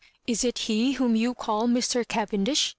''Is it ^ whom you call Mr. Cavendish